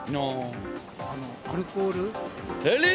アルコール。